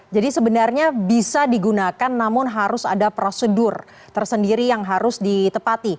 jadi sebenarnya bisa digunakan namun harus ada prosedur tersendiri yang harus ditepati